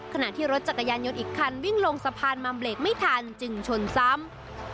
ขณะที่รถจักรยานยนต์อีกคันวิ่งลงสะพานมาเบรกไม่ทันจึงชนซ้ำ